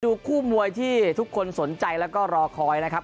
ดูคู่มวยที่ทุกคนสนใจแล้วก็รอคอยนะครับ